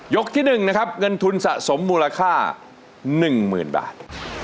ที่๑นะครับเงินทุนสะสมมูลค่า๑๐๐๐บาท